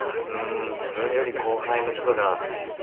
自分より後輩の人が。